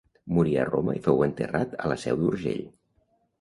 Morí a Roma i fou enterrat a la Seu d’Urgell.